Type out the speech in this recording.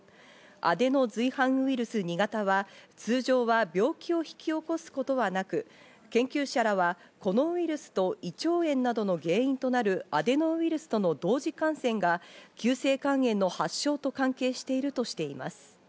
アデノ随伴ウイルス２型は通常は病気を引き起こすことはなく、研究者らはこのウイルスと胃腸炎などの原因となるアデノウイルスとの同時感染が急性肝炎の発症と関係しているとしています。